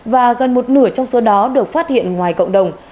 và gần một nửa trong số đó được phát hiện ngoài cộng đồng